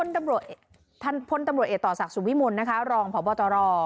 ท่านพลตำรวจเอกต่อสักสุมวิมุลนะคะรองพบตร